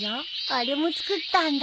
あれも作ったんだ。